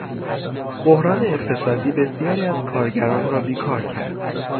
بحران اقتصادی بسیاری از کارگران را بیکار کرد.